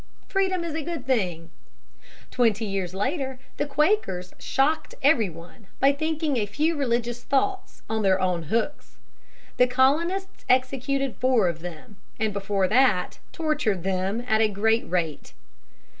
Freedom is a good thing. Twenty years later the Quakers shocked every one by thinking a few religious thoughts on their own hooks. The colonists executed four of them, and before that tortured them at a great rate.